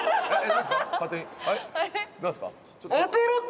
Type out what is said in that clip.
何すか？